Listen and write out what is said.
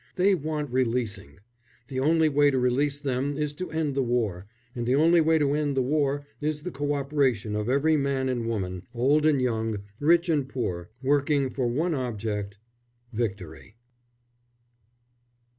They want releasing. The only way to release them is to end the war, and the only way to end the war is the cooperation of every man and woman, old and young, rich and poor, working for one object VICTORY.